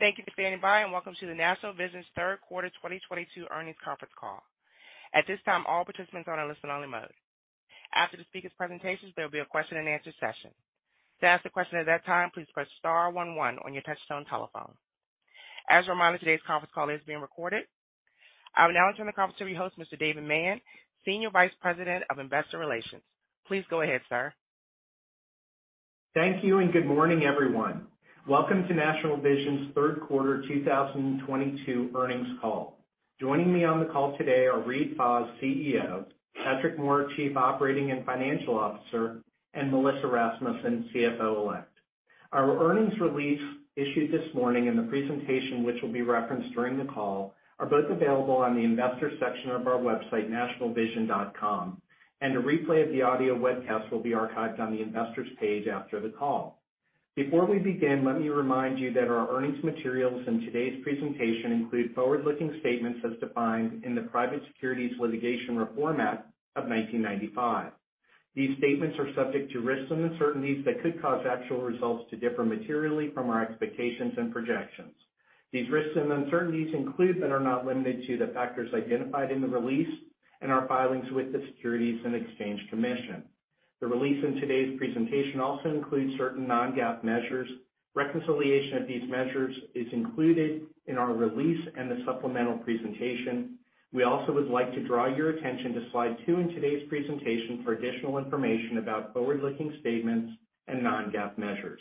Thank you for standing by, and welcome to National Vision's third quarter 2022 earnings conference call. At this time, all participants are in a listen-only mode. After the speakers' presentations, there'll be a question and answer session. To ask a question at that time, please press star one one on your touch-tone telephone. As a reminder, today's conference call is being recorded. I will now turn the call over to your host, Mr. David Mann, Senior Vice President of Investor Relations. Please go ahead, sir. Thank you and good morning, everyone. Welcome to National Vision's third quarter 2022 earnings call. Joining me on the call today are Reade Fahs, CEO, Patrick Moore, Chief Operating and Financial Officer, and Melissa Rasmussen, CFO-elect. Our earnings release issued this morning and the presentation, which will be referenced during the call, are both available on the investor section of our website, nationalvision.com, and a replay of the audio webcast will be archived on the investors page after the call. Before we begin, let me remind you that our earnings materials in today's presentation include forward-looking statements as defined in the Private Securities Litigation Reform Act of 1995. These statements are subject to risks and uncertainties that could cause actual results to differ materially from our expectations and projections. These risks and uncertainties include, but are not limited to, the factors identified in the release and our filings with the Securities and Exchange Commission. The release in today's presentation also includes certain Non-GAAP measures. Reconciliation of these measures is included in our release and the supplemental presentation. We also would like to draw your attention to slide two in today's presentation for additional information about forward-looking statements and Non-GAAP measures.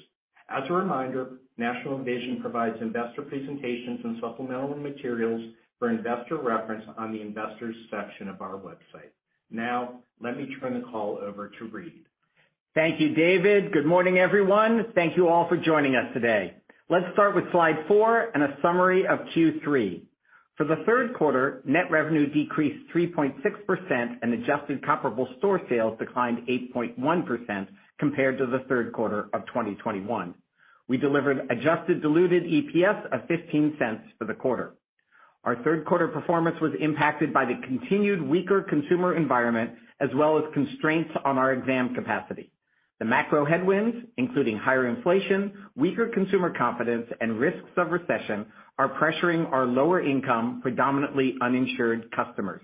As a reminder, National Vision provides investor presentations and supplemental materials for investor reference on the Investors section of our website. Now, let me turn the call over to Reade. Thank you, David. Good morning, everyone. Thank you all for joining us today. Let's start with slide four and a summary of Q3. For the third quarter, net revenue decreased 3.6% and adjusted comparable store sales declined 8.1% compared to the third quarter of 2021. We delivered adjusted diluted EPS of $0.15 for the quarter. Our third quarter performance was impacted by the continued weaker consumer environment as well as constraints on our exam capacity. The macro headwinds, including higher inflation, weaker consumer confidence, and risks of recession, are pressuring our lower income, predominantly uninsured customers.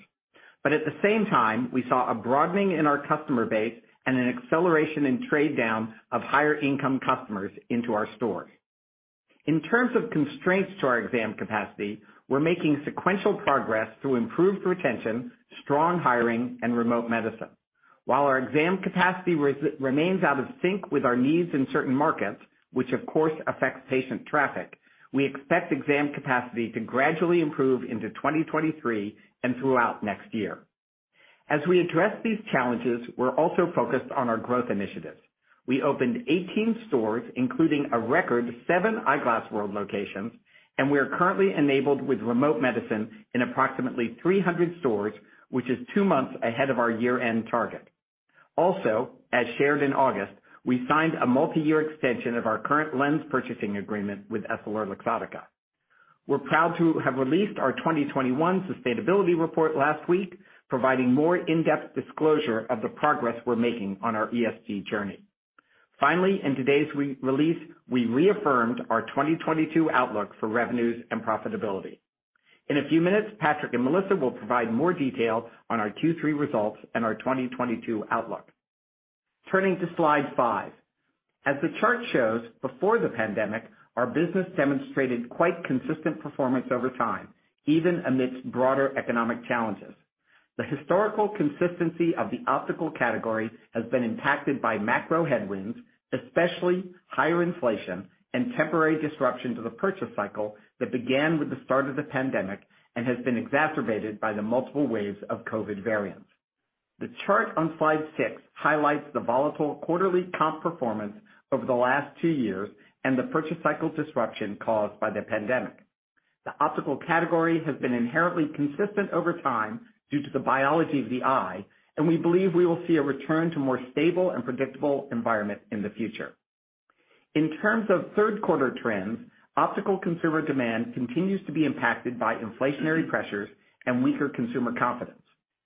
At the same time, we saw a broadening in our customer base and an acceleration in trade down of higher income customers into our stores. In terms of constraints to our exam capacity, we're making sequential progress through improved retention, strong hiring, and remote medicine. While our exam capacity remains out of sync with our needs in certain markets, which of course affects patient traffic, we expect exam capacity to gradually improve into 2023 and throughout next year. As we address these challenges, we're also focused on our growth initiatives. We opened 18 stores, including a record 7 Eyeglass World locations, and we are currently enabled with remote medicine in approximately 300 stores, which is two months ahead of our year-end target. Also, as shared in August, we signed a multi-year extension of our current lens purchasing agreement with EssilorLuxottica. We're proud to have released our 2021 sustainability report last week, providing more in-depth disclosure of the progress we're making on our ESG journey. Finally, in today's re-release, we reaffirmed our 2022 outlook for revenues and profitability. In a few minutes, Patrick and Melissa will provide more detail on our Q3 results and our 2022 outlook. Turning to slide five. As the chart shows, before the pandemic, our business demonstrated quite consistent performance over time, even amidst broader economic challenges. The historical consistency of the optical category has been impacted by macro headwinds, especially higher inflation and temporary disruption to the purchase cycle that began with the start of the pandemic and has been exacerbated by the multiple waves of COVID variants. The chart on slide six highlights the volatile quarterly comp performance over the last two years and the purchase cycle disruption caused by the pandemic. The optical category has been inherently consistent over time due to the biology of the eye, and we believe we will see a return to more stable and predictable environment in the future. In terms of third quarter trends, optical consumer demand continues to be impacted by inflationary pressures and weaker consumer confidence.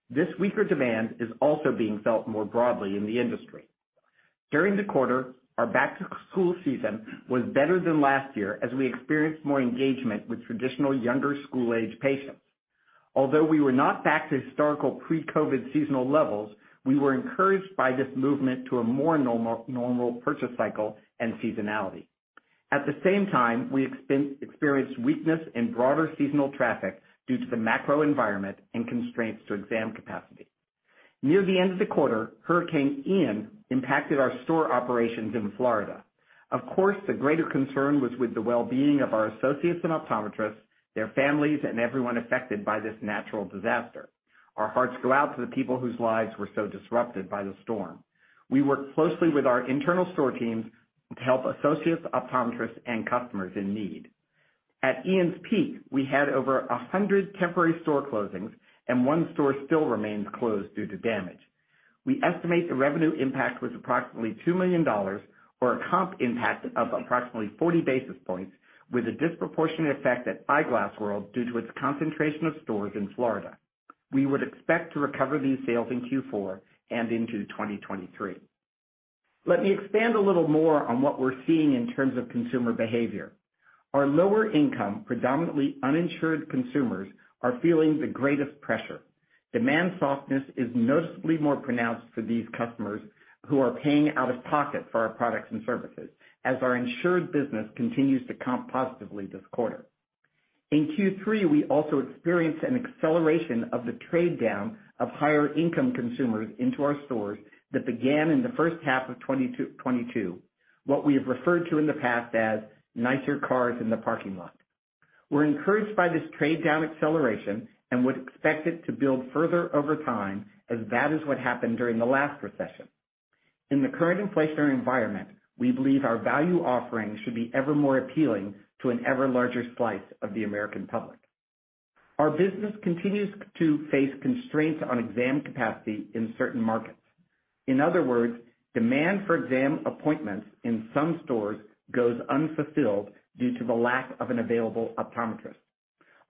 This weaker demand is also being felt more broadly in the industry. During the quarter, our back to school season was better than last year as we experienced more engagement with traditional younger school-age patients. Although we were not back to historical pre-COVID seasonal levels, we were encouraged by this movement to a more normal purchase cycle and seasonality. At the same time, we experienced weakness in broader seasonal traffic due to the macro environment and constraints to exam capacity. Near the end of the quarter, Hurricane Ian impacted our store operations in Florida. Of course, the greater concern was with the well-being of our associates and optometrists, their families, and everyone affected by this natural disaster. Our hearts go out to the people whose lives were so disrupted by the storm. We worked closely with our internal store teams to help associates, optometrists, and customers in need. At Hurricane Ian's peak, we had over 100 temporary store closings, and one store still remains closed due to damage. We estimate the revenue impact was approximately $2 million, or a comp impact of approximately 40 basis points, with a disproportionate effect at Eyeglass World due to its concentration of stores in Florida. We would expect to recover these sales in Q4 and into 2023. Let me expand a little more on what we're seeing in terms of consumer behavior. Our lower income, predominantly uninsured consumers are feeling the greatest pressure. Demand softness is noticeably more pronounced for these customers who are paying out of pocket for our products and services, as our insured business continues to comp positively this quarter. In Q3, we also experienced an acceleration of the trade down of higher income consumers into our stores that began in the first half of 2022, what we have referred to in the past as nicer cars in the parking lot. We're encouraged by this trade down acceleration and would expect it to build further over time as that is what happened during the last recession. In the current inflationary environment, we believe our value offering should be evermore appealing to an ever larger slice of the American public. Our business continues to face constraints on exam capacity in certain markets. In other words, demand for exam appointments in some stores goes unfulfilled due to the lack of an available optometrist.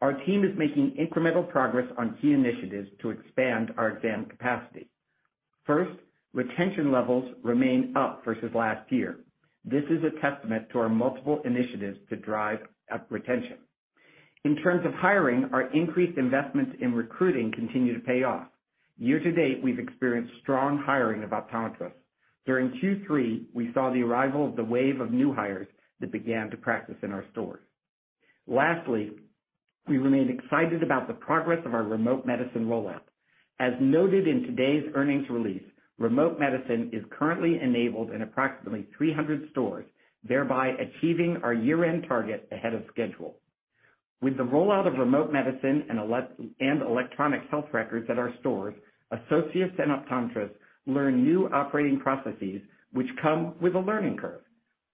Our team is making incremental progress on key initiatives to expand our exam capacity. First, retention levels remain up versus last year. This is a testament to our multiple initiatives to drive up retention. In terms of hiring, our increased investments in recruiting continue to pay off. Year to date, we've experienced strong hiring of optometrists. During Q3, we saw the arrival of the wave of new hires that began to practice in our stores. Lastly, we remain excited about the progress of our remote medicine rollout. As noted in today's earnings release, remote medicine is currently enabled in approximately 300 stores, thereby achieving our year-end target ahead of schedule. With the rollout of remote medicine and electronic health records at our stores, associates and optometrists learn new operating processes which come with a learning curve.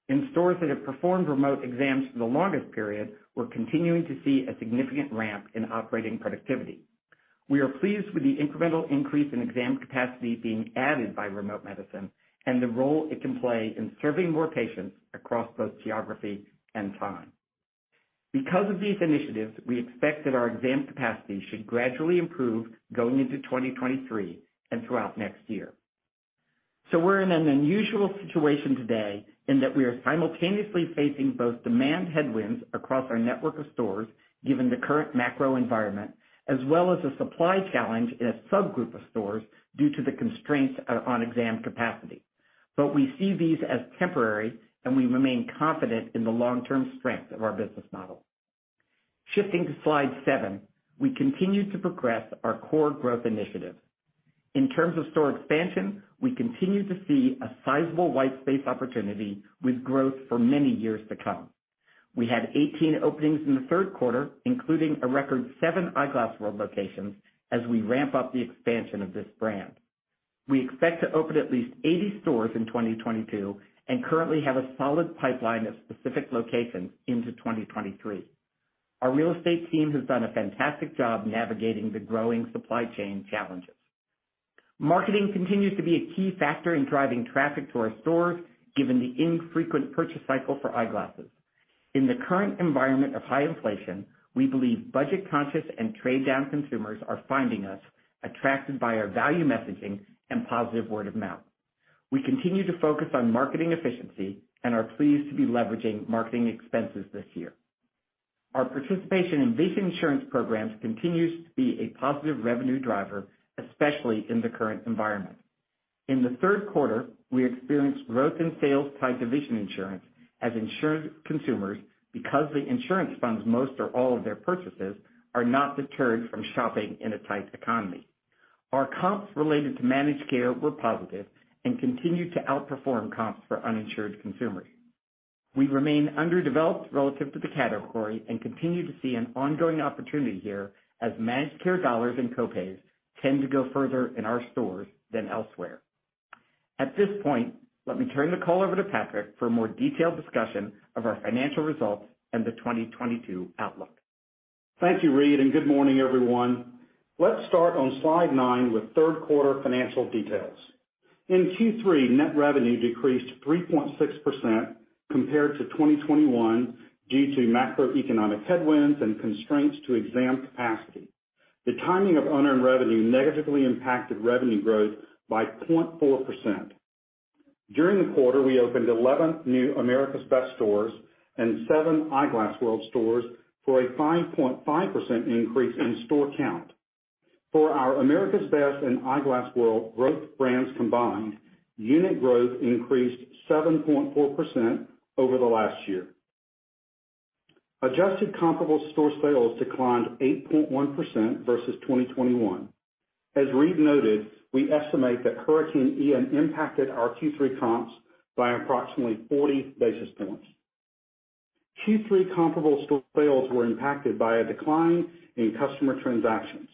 In stores that have performed remote exams for the longest period, we're continuing to see a significant ramp in operating productivity. We are pleased with the incremental increase in exam capacity being added by remote medicine and the role it can play in serving more patients across both geography and time. Because of these initiatives, we expect that our exam capacity should gradually improve going into 2023 and throughout next year. We're in an unusual situation today in that we are simultaneously facing both demand headwinds across our network of stores, given the current macro environment, as well as a supply challenge in a subgroup of stores due to the constraints on exam capacity. We see these as temporary, and we remain confident in the long-term strength of our business model. Shifting to slide seven, we continue to progress our core growth initiatives. In terms of store expansion, we continue to see a sizable white space opportunity with growth for many years to come. We had 18 openings in the third quarter, including a record seven Eyeglass World locations as we ramp up the expansion of this brand. We expect to open at least 80 stores in 2022, and currently have a solid pipeline of specific locations into 2023. Our real estate team has done a fantastic job navigating the growing supply chain challenges. Marketing continues to be a key factor in driving traffic to our stores, given the infrequent purchase cycle for eyeglasses. In the current environment of high inflation, we believe budget conscious and trade down consumers are finding us, attracted by our value messaging and positive word of mouth. We continue to focus on marketing efficiency and are pleased to be leveraging marketing expenses this year. Our participation in vision insurance programs continues to be a positive revenue driver, especially in the current environment. In the third quarter, we experienced growth in sales tied to vision insurance as insured consumers, because the insurance funds most or all of their purchases, are not deterred from shopping in a tight economy. Our comps related to managed care were positive and continued to outperform comps for uninsured consumers. We remain underdeveloped relative to the category and continue to see an ongoing opportunity here as managed care dollars and co-pays tend to go further in our stores than elsewhere. At this point, let me turn the call over to Patrick for a more detailed discussion of our financial results and the 2022 outlook. Thank you, Reade, and good morning, everyone. Let's start on slide nine with third quarter financial details. In Q3, net revenue decreased 3.6% compared to 2021 due to macroeconomic headwinds and constraints to exam capacity. The timing of unearned revenue negatively impacted revenue growth by 0.4%. During the quarter, we opened 11 new America's Best stores and seven Eyeglass World stores for a 5.5% increase in store count. For our America's Best and Eyeglass World growth brands combined, unit growth increased 7.4% over the last year. Adjusted comparable store sales declined 8.1% versus 2021. As Reade noted, we estimate that Hurricane Ian impacted our Q3 comps by approximately 40 basis points. Q3 comparable store sales were impacted by a decline in customer transactions.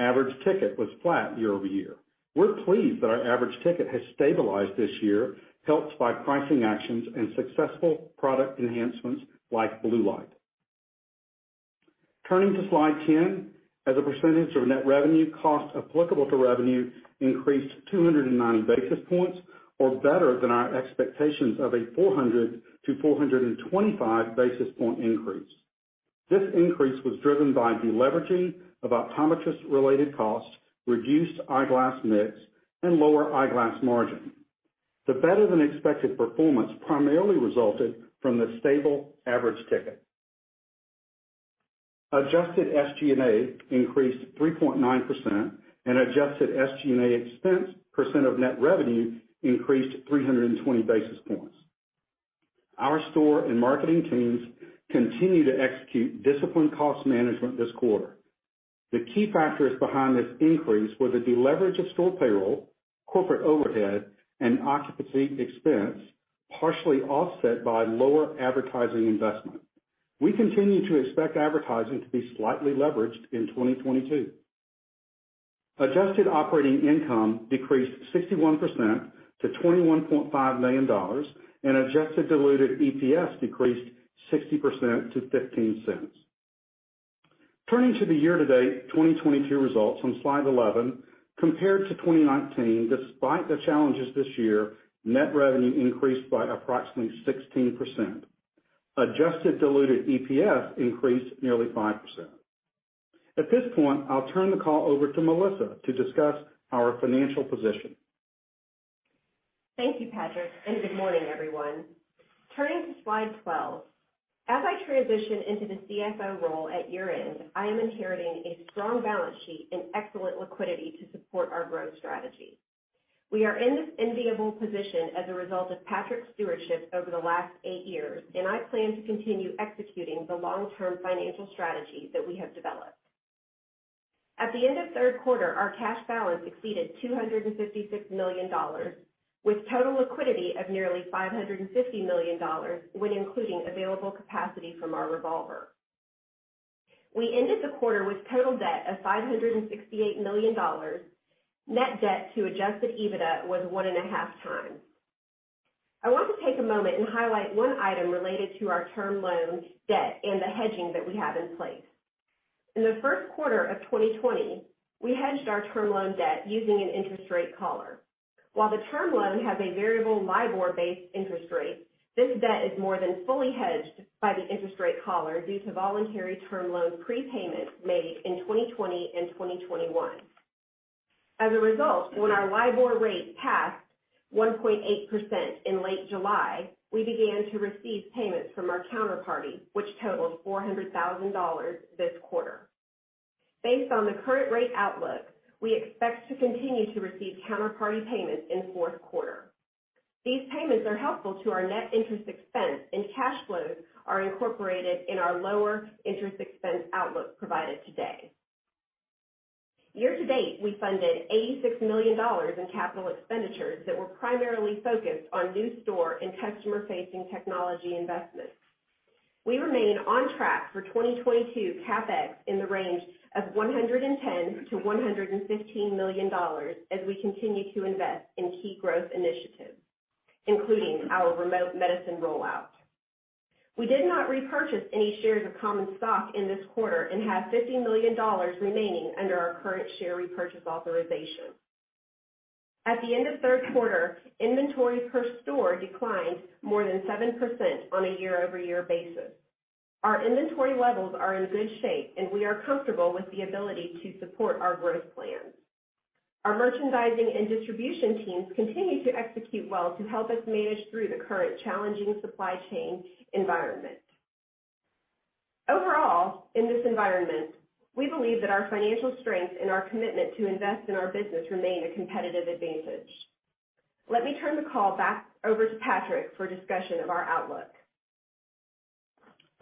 Average ticket was flat year-over-year. We're pleased that our average ticket has stabilized this year, helped by pricing actions and successful product enhancements like blue light. Turning to slide 10. As a percentage of net revenue, costs applicable to revenue increased 209 basis points or better than our expectations of a 400-425 basis point increase. This increase was driven by deleveraging of optometrist related costs, reduced eyeglass mix, and lower eyeglass margin. The better-than-expected performance primarily resulted from the stable average ticket. Adjusted SG&A increased 3.9% and adjusted SG&A expense percent of net revenue increased 320 basis points. Our store and marketing teams continue to execute disciplined cost management this quarter. The key factors behind this increase were the deleverage of store payroll, corporate overhead, and occupancy expense, partially offset by lower advertising investment. We continue to expect advertising to be slightly leveraged in 2022. Adjusted operating income decreased 61% to $21.5 million and adjusted diluted EPS decreased 60% to $0.15. Turning to the year-to-date 2022 results on slide 11. Compared to 2019, despite the challenges this year, net revenue increased by approximately 16%. Adjusted diluted EPS increased nearly 5%. At this point, I'll turn the call over to Melissa to discuss our financial position. Thank you, Patrick, and good morning, everyone. Turning to slide 12. As I transition into the CFO role at year-end, I am inheriting a strong balance sheet and excellent liquidity to support our growth strategy. We are in this enviable position as a result of Patrick's stewardship over the last eight years, and I plan to continue executing the long-term financial strategy that we have developed. At the end of third quarter, our cash balance exceeded $256 million with total liquidity of nearly $550 million when including available capacity from our revolver. We ended the quarter with total debt of $568 million. Net debt to adjusted EBITDA was 1.5 times. I want to take a moment and highlight one item related to our term loan debt and the hedging that we have in place. In the first quarter of 2020, we hedged our term loan debt using an interest rate collar. While the term loan has a variable LIBOR-based interest rate, this debt is more than fully hedged by the interest rate collar due to voluntary term loan prepayments made in 2020 and 2021. As a result, when our LIBOR rate passed 1.8% in late July, we began to receive payments from our counterparty, which totaled $400,000 this quarter. Based on the current rate outlook, we expect to continue to receive counterparty payments in fourth quarter. These payments are helpful to our net interest expense, and cash flows are incorporated in our lower interest expense outlook provided today. Year to date, we funded $86 million in capital expenditures that were primarily focused on new store and customer-facing technology investments. We remain on track for 2022 CapEx in the range of $110 million-$115 million as we continue to invest in key growth initiatives, including our remote medicine rollout. We did not repurchase any shares of common stock in this quarter and have $50 million remaining under our current share repurchase authorization. At the end of third quarter, inventory per store declined more than 7% on a year-over-year basis. Our inventory levels are in good shape, and we are comfortable with the ability to support our growth plans. Our merchandising and distribution teams continue to execute well to help us manage through the current challenging supply chain environment. Overall, in this environment, we believe that our financial strength and our commitment to invest in our business remain a competitive advantage. Let me turn the call back over to Patrick for a discussion of our outlook.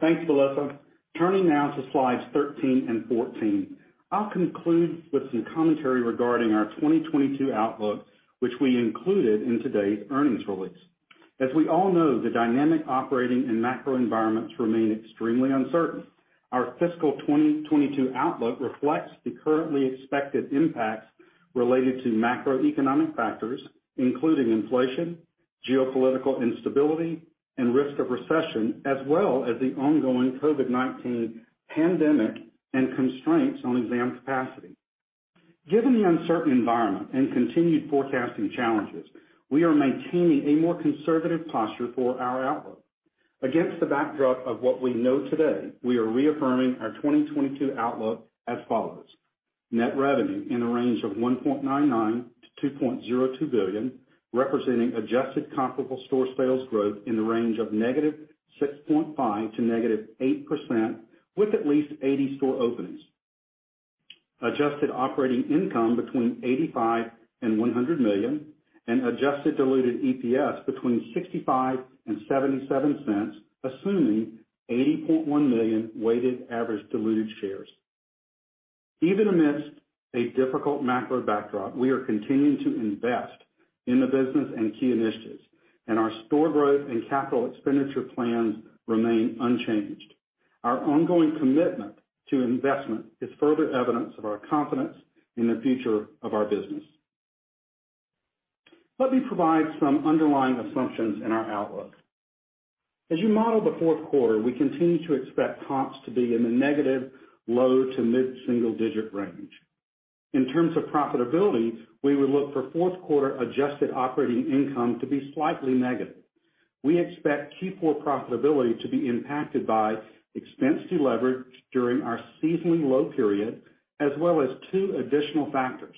Thanks, Melissa. Turning now to slides 13 and 14. I'll conclude with some commentary regarding our 2022 outlook, which we included in today's earnings release. As we all know, the dynamic operating and macro environments remain extremely uncertain. Our fiscal 2022 outlook reflects the currently expected impacts related to macroeconomic factors, including inflation, geopolitical instability, and risk of recession, as well as the ongoing COVID-19 pandemic and constraints on exam capacity. Given the uncertain environment and continued forecasting challenges, we are maintaining a more conservative posture for our outlook. Against the backdrop of what we know today, we are reaffirming our 2022 outlook as follows: Net revenue in the range of $1.99 billion-$2.02 billion, representing adjusted comparable store sales growth in the range of -6.5% to -8% with at least 80 store openings. Adjusted operating income between $85 million and $100 million, and adjusted diluted EPS between $0.65 and $0.77, assuming 80.1 million weighted average diluted shares. Even amidst a difficult macro backdrop, we are continuing to invest in the business and key initiatives, and our store growth and capital expenditure plans remain unchanged. Our ongoing commitment to investment is further evidence of our confidence in the future of our business. Let me provide some underlying assumptions in our outlook. As you model the fourth quarter, we continue to expect comps to be in the negative low- to mid-single-digit% range. In terms of profitability, we would look for fourth quarter adjusted operating income to be slightly negative. We expect Q4 profitability to be impacted by expense deleverage during our seasonally low period, as well as two additional factors.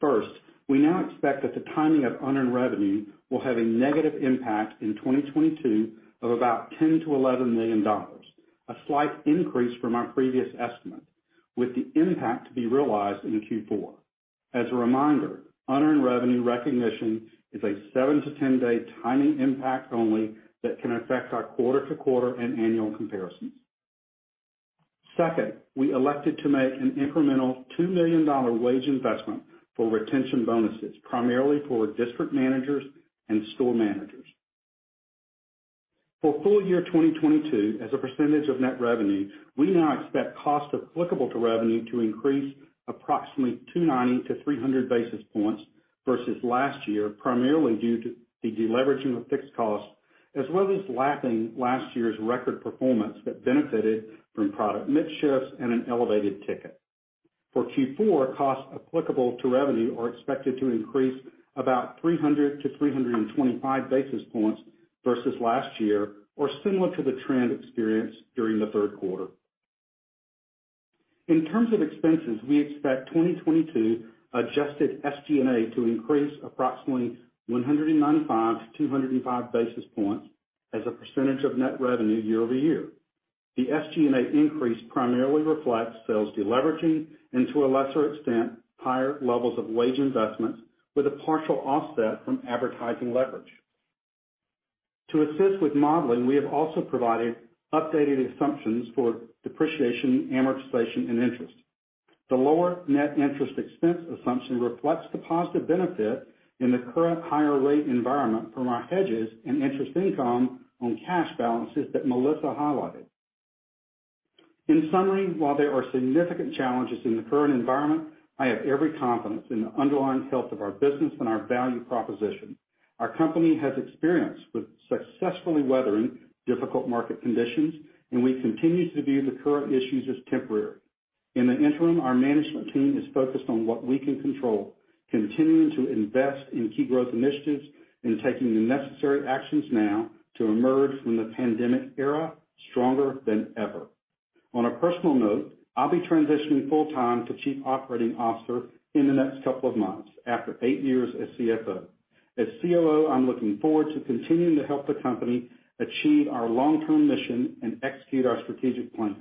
First, we now expect that the timing of unearned revenue will have a negative impact in 2022 of about $10 million-$11 million, a slight increase from our previous estimate, with the impact to be realized in Q4. As a reminder, unearned revenue recognition is a seven to 10 day timing impact only that can affect our quarter-to-quarter and annual comparisons. Second, we elected to make an incremental $2 million wage investment for retention bonuses, primarily for district managers and store managers. For full year 2022, as a percentage of net revenue, we now expect costs applicable to revenue to increase approximately 290-300 basis points versus last year, primarily due to the deleveraging of fixed costs, as well as lapping last year's record performance that benefited from product mix shifts and an elevated ticket. For Q4, costs applicable to revenue are expected to increase about 300-325 basis points versus last year, or similar to the trend experienced during the third quarter. In terms of expenses, we expect 2022 adjusted SG&A to increase approximately 195-205 basis points as a percentage of net revenue year-over-year. The SG&A increase primarily reflects sales deleveraging and to a lesser extent, higher levels of wage investments with a partial offset from advertising leverage. To assist with modeling, we have also provided updated assumptions for depreciation, amortization, and interest. The lower net interest expense assumption reflects the positive benefit in the current higher rate environment from our hedges and interest income on cash balances that Melissa highlighted. In summary, while there are significant challenges in the current environment, I have every confidence in the underlying health of our business and our value proposition. Our company has experience with successfully weathering difficult market conditions, and we continue to view the current issues as temporary. In the interim, our management team is focused on what we can control, continuing to invest in key growth initiatives and taking the necessary actions now to emerge from the pandemic era stronger than ever. On a personal note, I'll be transitioning full-time to Chief Operating Officer in the next couple of months after eight years as CFO. As COO, I'm looking forward to continuing to help the company achieve our long-term mission and execute our strategic plan.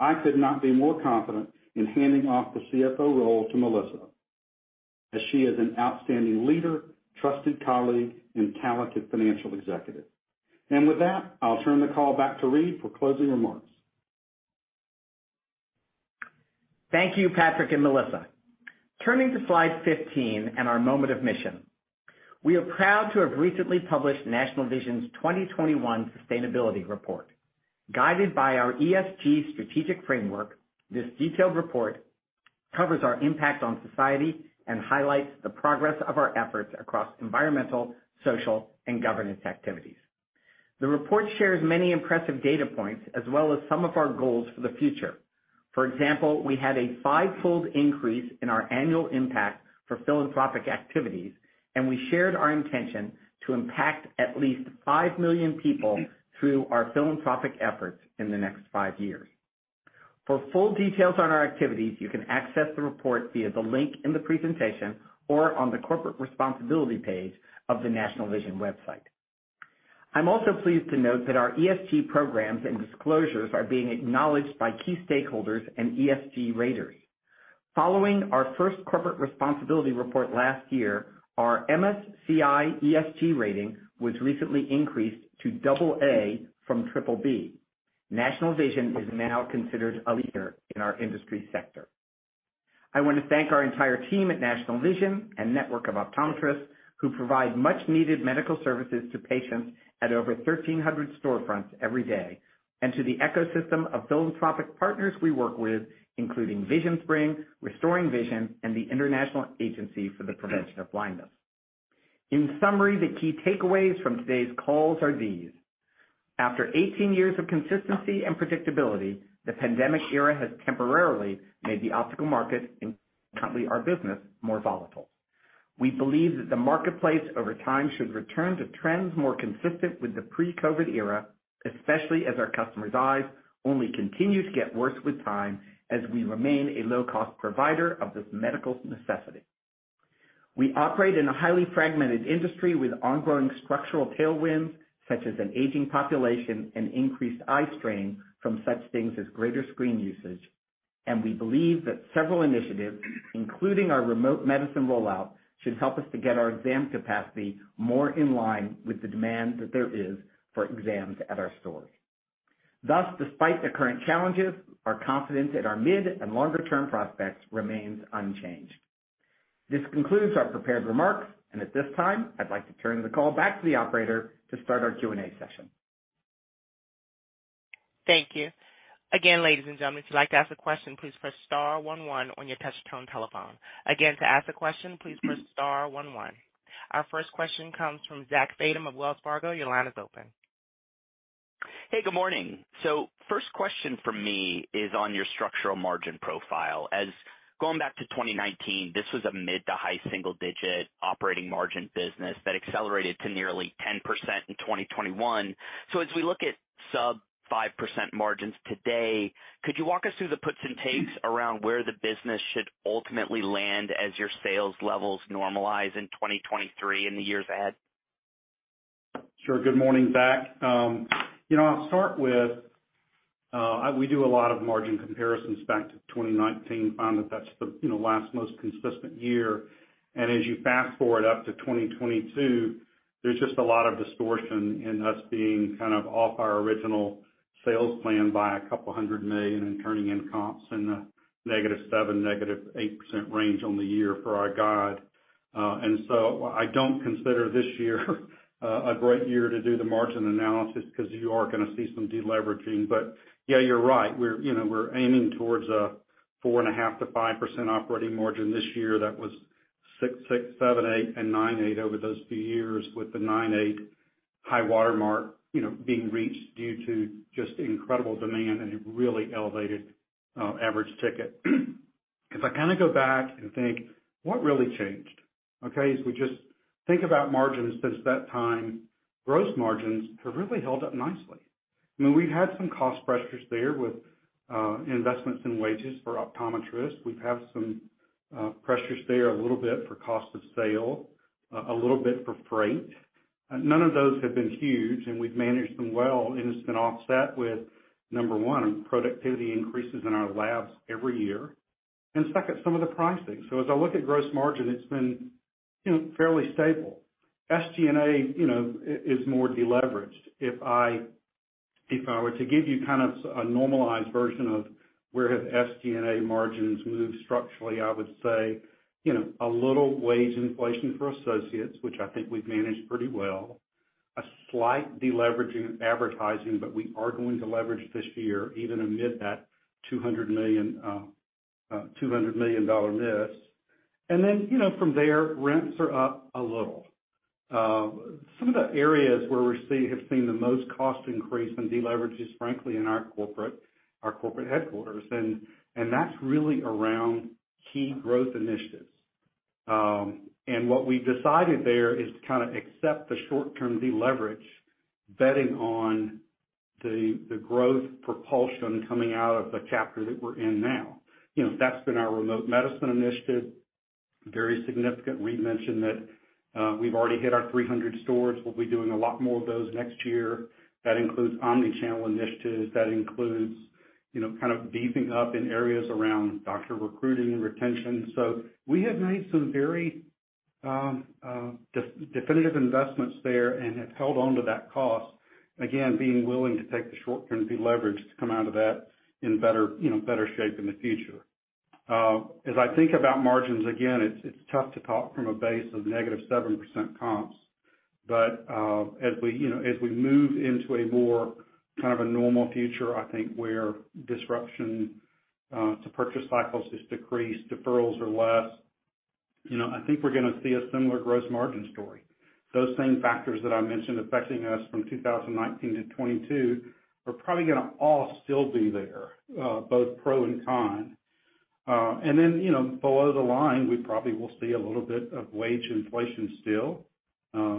I could not be more confident in handing off the CFO role to Melissa, as she is an outstanding leader, trusted colleague, and talented financial executive. With that, I'll turn the call back to Reade for closing remarks. Thank you, Patrick and Melissa. Turning to slide 15 and our moment of mission. We are proud to have recently published National Vision's 2021 sustainability report. Guided by our ESG strategic framework, this detailed report covers our impact on society and highlights the progress of our efforts across environmental, social, and governance activities. The report shares many impressive data points as well as some of our goals for the future. For example, we had a five fold increase in our annual impact for philanthropic activities, and we shared our intention to impact at least five million people through our philanthropic efforts in the next 5 years. For full details on our activities, you can access the report via the link in the presentation or on the corporate responsibility page of the National Vision website. I'm also pleased to note that our ESG programs and disclosures are being acknowledged by key stakeholders and ESG raters. Following our first corporate responsibility report last year, our MSCI ESG rating was recently increased to double A from triple B. National Vision is now considered a leader in our industry sector. I want to thank our entire team at National Vision and network of optometrists who provide much needed medical services to patients at over 1,300 storefronts every day, and to the ecosystem of philanthropic partners we work with, including VisionSpring, RestoringVision, and the International Agency for the Prevention of Blindness. In summary, the key takeaways from today's calls are these. After 18 years of consistency and predictability, the pandemic era has temporarily made the optical market, including our business, more volatile. We believe that the marketplace over time should return to trends more consistent with the pre-COVID era, especially as our customers' eyes only continue to get worse with time as we remain a low-cost provider of this medical necessity. We operate in a highly fragmented industry with ongoing structural tailwinds, such as an aging population and increased eye strain from such things as greater screen usage. We believe that several initiatives, including our remote medicine rollout, should help us to get our exam capacity more in line with the demand that there is for exams at our stores. Thus, despite the current challenges, our confidence in our mid and longer term prospects remains unchanged. This concludes our prepared remarks, and at this time, I'd like to turn the call back to the operator to start our Q&A session. Thank you. Again, ladies and gentlemen, if you'd like to ask a question, please press star one one on your touchtone telephone. Again, to ask a question, please press star one one. Our first question comes from Zach Fadem of Wells Fargo. Your line is open. Hey, good morning. First question from me is on your structural margin profile. As going back to 2019, this was a mid to high single digit operating margin business that accelerated to nearly 10% in 2021. As we look at sub 5% margins today, could you walk us through the puts and takes around where the business should ultimately land as your sales levels normalize in 2023 in the years ahead? Sure. Good morning, Zach. You know, I'll start with, we do a lot of margin comparisons back to 2019. We found that that's the you know last most consistent year. As you fast-forward up to 2022, there's just a lot of distortion in us being kind of off our original sales plan by $200 million and turning in comps in the -7%-8% range on the year for our guide. I don't consider this year a great year to do the margin analysis because you are gonna see some deleveraging. Yeah, you're right. We're, you know, aiming towards a 4.5%-5% operating margin this year. That was 6.6%, 7.8%, and 9.8% over those few years with the 9.8% high watermark, you know, being reached due to just incredible demand and really elevated average ticket. If I kind of go back and think what really changed, okay, is we just think about margins since that time, gross margins have really held up nicely. I mean, we've had some cost pressures there with investments in wages for optometrists. We've had some pressures there a little bit for cost of sales, a little bit for freight. None of those have been huge, and we've managed them well, and it's been offset with, number one, productivity increases in our labs every year. Second, some of the pricing. As I look at gross margin, it's been, you know, fairly stable. SG&A, you know, is more deleveraged. If I were to give you kind of a normalized version of where SG&A margins have moved structurally, I would say, you know, a little wage inflation for associates, which I think we've managed pretty well. A slight deleveraging of advertising, but we are going to leverage this year even amid that $200 million dollar miss. You know, from there, rents are up a little. Some of the areas where we have seen the most cost increase and deleverages, frankly, in our corporate headquarters, and that's really around key growth initiatives. What we decided there is to kinda accept the short-term deleverage betting on the growth propulsion coming out of the chapter that we're in now. You know, that's been our remote medicine initiative, very significant. Reade mentioned that, we've already hit our 300 stores. We'll be doing a lot more of those next year. That includes omni-channel initiatives. That includes, you know, kind of beefing up in areas around doctor recruiting and retention. We have made some very definitive investments there and have held on to that cost, again, being willing to take the short-term deleverage to come out of that in better, you know, better shape in the future. As I think about margins, again, it's tough to talk from a base of -7% comps. As we, you know, as we move into a more kind of a normal future, I think where disruption to purchase cycles is decreased, deferrals are less. You know, I think we're gonna see a similar gross margin story. Those same factors that I mentioned affecting us from 2019 to 2022 are probably gonna all still be there, both pro and con. You know, below the line, we probably will see a little bit of wage inflation still,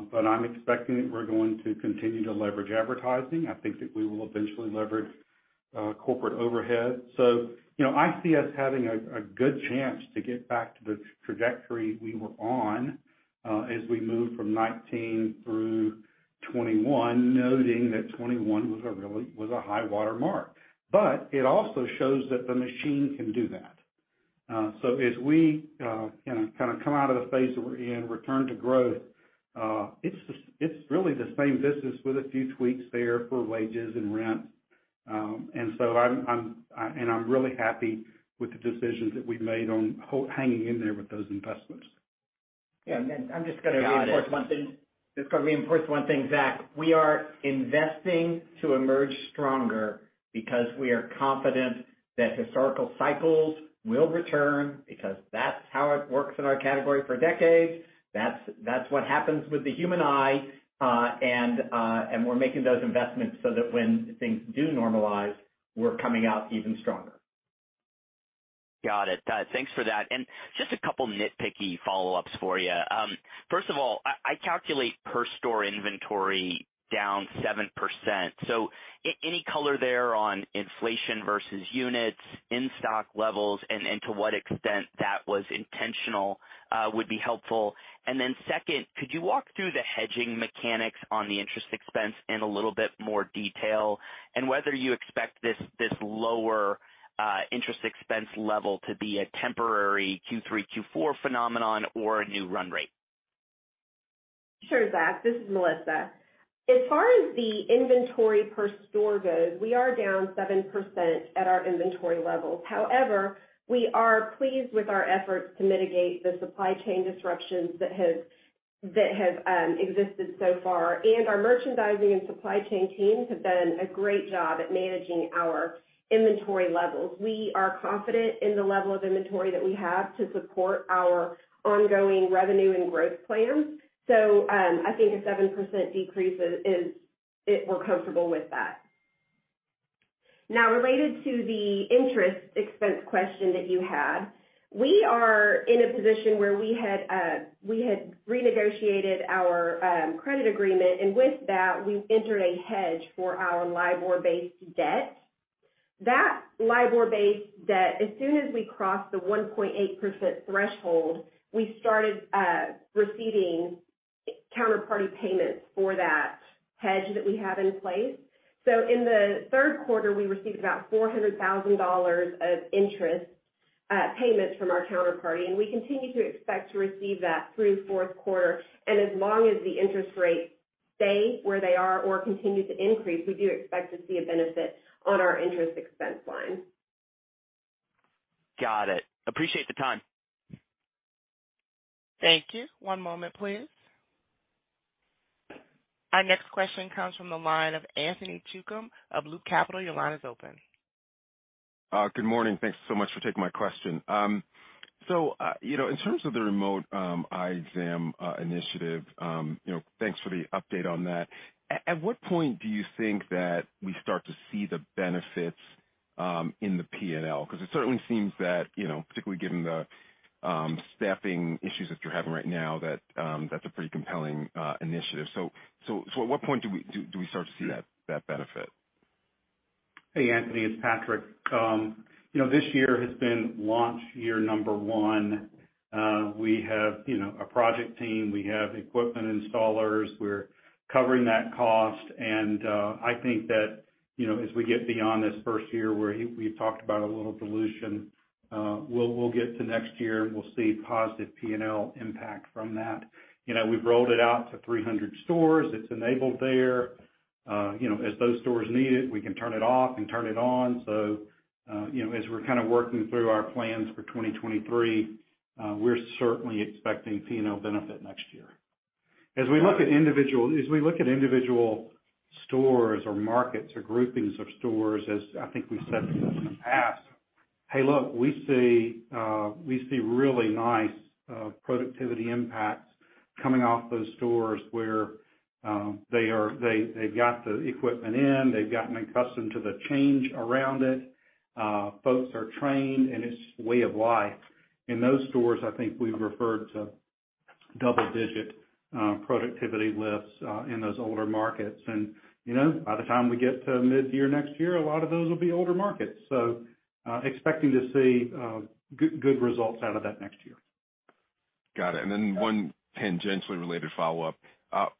but I'm expecting that we're going to continue to leverage advertising. I think that we will eventually leverage corporate overhead. You know, I see us having a good chance to get back to the trajectory we were on as we move from 2019 through 2021, noting that 2021 was a high watermark. It also shows that the machine can do that. As we, you know, kinda come out of the phase that we're in, return to growth, it's just, it's really the same business with a few tweaks there for wages and rent. I'm really happy with the decisions that we've made on hanging in there with those investments. Yeah, I'm just gonna reinforce one thing. Got it. Just gonna reinforce one thing, Zach. We are investing to emerge stronger because we are confident that historical cycles will return because that's how it works in our category for decades. That's what happens with the human eye, and we're making those investments so that when things do normalize, we're coming out even stronger. Got it. Thanks for that. Just a couple nitpicky follow-ups for you. First of all, I calculate per store inventory down 7%. So any color there on inflation versus units, in-stock levels, and to what extent that was intentional would be helpful. Then second, could you walk through the hedging mechanics on the interest expense in a little bit more detail, and whether you expect this lower interest expense level to be a temporary Q3, Q4 phenomenon or a new run rate? Sure, Zach, this is Melissa. As far as the inventory per store goes, we are down 7% at our inventory levels. However, we are pleased with our efforts to mitigate the supply chain disruptions that has existed so far, and our merchandising and supply chain teams have done a great job at managing our inventory levels. We are confident in the level of inventory that we have to support our ongoing revenue and growth plans. I think a 7% decrease is. We're comfortable with that. Now, related to the interest expense question that you had, we are in a position where we had renegotiated our credit agreement, and with that, we entered a hedge for our LIBOR-based debt. That LIBOR-based debt, as soon as we crossed the 1.8% threshold, we started receiving counterparty payments for that hedge that we have in place. In the third quarter, we received about $400,000 of interest payments from our counterparty, and we continue to expect to receive that through fourth quarter. As long as the interest rates stay where they are or continue to increase, we do expect to see a benefit on our interest expense line. Got it. Appreciate the time. Thank you. One moment, please. Our next question comes from the line of Anthony Chukumba of Loop Capital. Your line is open. Good morning. Thanks so much for taking my question. You know, in terms of the remote eye exam initiative, you know, thanks for the update on that. At what point do you think that we start to see the benefits in the P&L? Because it certainly seems that, you know, particularly given the staffing issues that you're having right now, that that's a pretty compelling initiative. At what point do we start to see that benefit? Hey, Anthony, it's Patrick. This year has been launch year number one. We have a project team, we have equipment installers. We're covering that cost. I think that, you know, as we get beyond this first year where we've talked about a little dilution, we'll get to next year and we'll see positive P&L impact from that. You know, we've rolled it out to 300 stores. It's enabled there. You know, as those stores need it, we can turn it off and turn it on. You know, as we're kinda working through our plans for 2023, we're certainly expecting P&L benefit next year. As we look at individual stores or markets or groupings of stores, I think we've said this in the past. Hey, look, we see really nice productivity impacts coming off those stores where they’ve got the equipment in, they've gotten accustomed to the change around it. Folks are trained, and it's a way of life. In those stores, I think we've referred to double-digit productivity lifts in those older markets. You know, by the time we get to mid-year next year, a lot of those will be older markets. Expecting to see good results out of that next year. Got it. One tangentially related follow-up.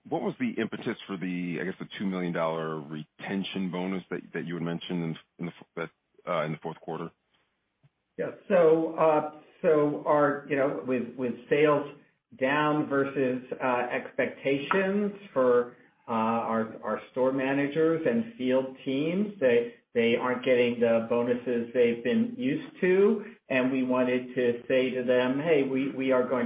What was the impetus for the, I guess, the $2 million retention bonus that you had mentioned in the fourth quarter? You know, with sales down versus expectations for our store managers and field teams, they aren't getting the bonuses they've been used to. We wanted to say to them, "Hey, we realize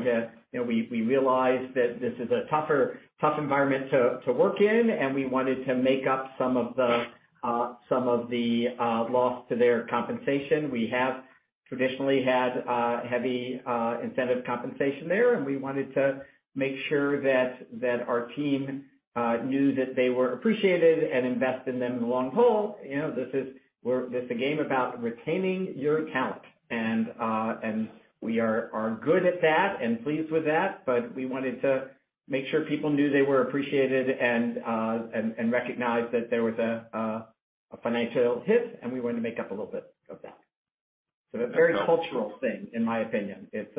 that this is a tougher environment to work in," and we wanted to make up some of the loss to their compensation. We have traditionally had heavy incentive compensation there, and we wanted to make sure that our team knew that they were appreciated and invest in them in the long haul. You know, this is a game about retaining your talent. We are good at that and pleased with that, but we wanted to make sure people knew they were appreciated and recognized that there was a financial hit, and we wanted to make up a little bit of that. A very cultural thing, in my opinion. It's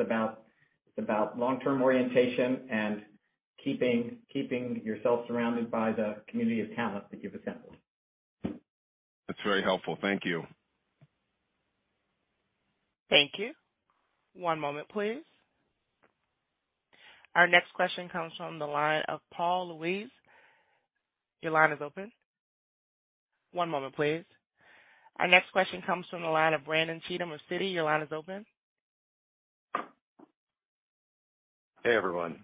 about long-term orientation and keeping yourself surrounded by the community of talent that you've assembled. That's very helpful. Thank you. Thank you. One moment, please. Our next question comes from the line of Paul Lejuez. Your line is open. One moment, please. Our next question comes from the line of Brandon Cheatham of Citi. Your line is open. Hey, everyone.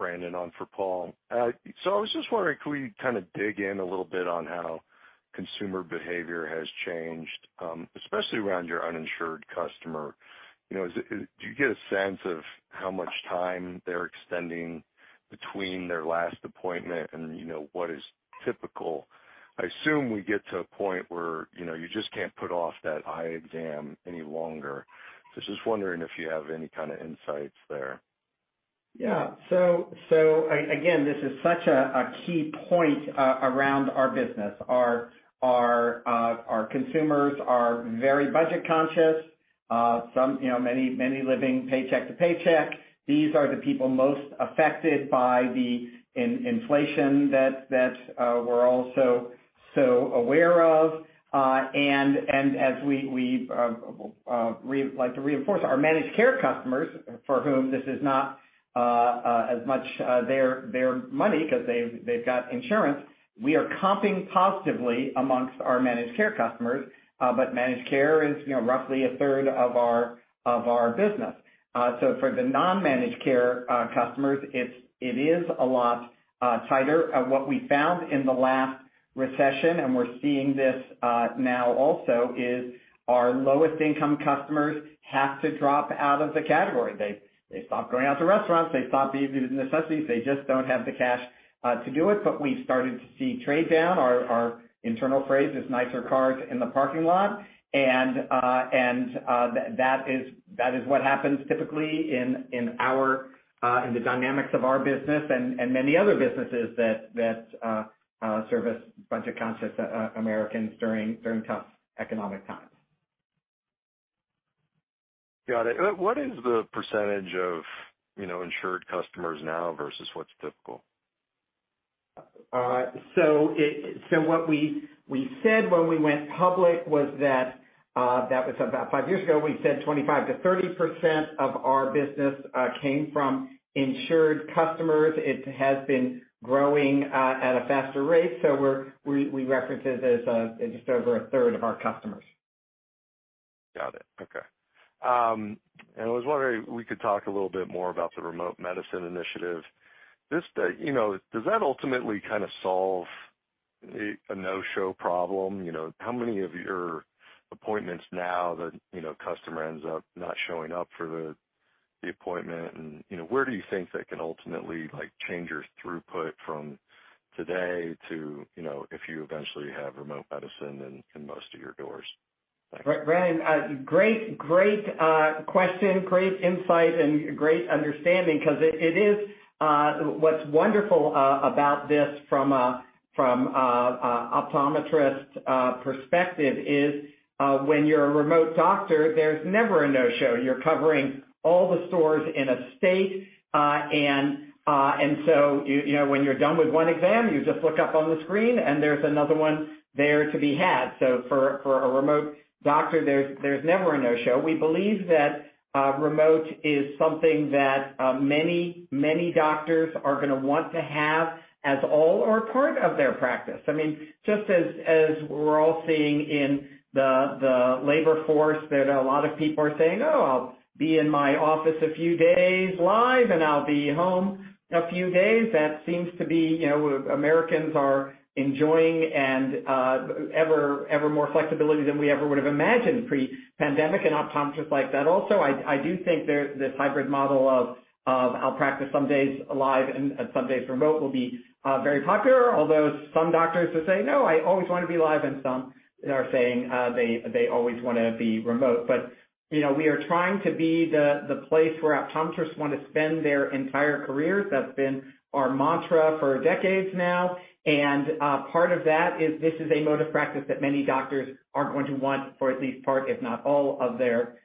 Brandon on for Paul. I was just wondering, can we kinda dig in a little bit on how consumer behavior has changed, especially around your uninsured customer? You know, do you get a sense of how much time they're extending between their last appointment and, you know, what is typical? I assume we get to a point where, you know, you just can't put off that eye exam any longer. Just wondering if you have any kinda insights there. Yeah. Again, this is such a key point around our business. Our consumers are very budget-conscious. Some, you know, many living paycheck to paycheck. These are the people most affected by the inflation that we're all so aware of. As we like to reinforce, our managed care customers, for whom this is not as much their money because they've got insurance, we are comping positively amongst our managed care customers. Managed care is, you know, roughly a third of our business. For the non-managed care customers, it is a lot tighter. What we found in the last recession, and we're seeing this now also, is our lowest income customers have to drop out of the category. They stop going out to restaurants. They stop the necessities. They just don't have the cash to do it, but we started to see trade down. Our internal phrase is nicer cars in the parking lot. That is what happens typically in the dynamics of our business and many other businesses that serve budget-conscious Americans during tough economic times. Got it. What is the percentage of, you know, insured customers now versus what's typical? What we said when we went public was that that was about five years ago. We said 25%-30% of our business came from insured customers. It has been growing at a faster rate, so we reference it as just over 1/3 of our customers. Got it. Okay. I was wondering if we could talk a little bit more about the remote medicine initiative. This, you know, does that ultimately kind of solve a no-show problem? You know, how many of your appointments now that, you know, customer ends up not showing up for the appointment? You know, where do you think that can ultimately, like, change your throughput from today to, you know, if you eventually have remote medicine in most of your doors? Ryan, great question, great insight and great understanding because it is what's wonderful about this from an optometrist perspective is when you're a remote doctor, there's never a no-show. You're covering all the stores in a state, and so you know, when you're done with one exam, you just look up on the screen and there's another one there to be had. For a remote doctor, there's never a no-show. We believe that remote is something that many doctors are gonna want to have as all or part of their practice. I mean, just as we're all seeing in the labor force that a lot of people are saying, "Oh, I'll be in my office a few days live, and I'll be home a few days." That seems to be, you know, Americans are enjoying and ever more flexibility than we ever would have imagined pre-pandemic and optometrists like that also. I do think there's this hybrid model of I'll practice some days live and some days remote will be very popular, although some doctors will say, "No, I always wanna be live," and some are saying they always wanna be remote. You know, we are trying to be the place where optometrists wanna spend their entire careers. That's been our mantra for decades now. Part of that is this is a mode of practice that many doctors are going to want for at least part, if not all of their